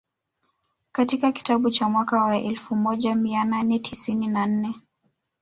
Katika kitabu cha mwaka wa elfu moja mia nane tisini na nne